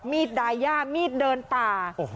มีดไดญี่าต์มีดเดินป่า